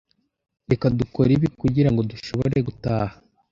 Reka dukore ibi, kugirango dushobore gutaha.